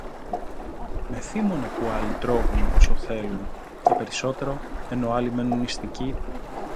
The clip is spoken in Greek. Με θύμωνε που άλλοι τρώγουν όσο θέλουν, και περισσότερο, ενώ άλλοι μένουν νηστικοί